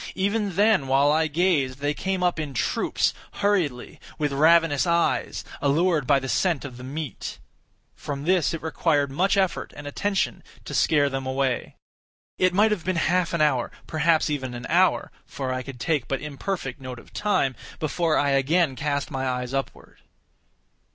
Even then, while I gazed, they came up in troops, hurriedly, with ravenous eyes, allured by the scent of the meat. From this it required much effort and attention to scare them away. It might have been half an hour, perhaps even an hour, (for I could take but imperfect note of time) before I again cast my eyes upward.